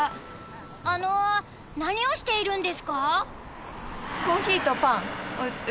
あの何をしているんですか？